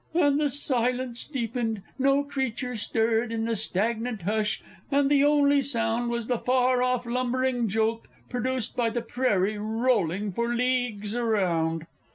And the silence deepened; no creature stirred in the stagnant hush, and the only sound Was the far off lumbering jolt, produced by the prairie rolling for leagues around!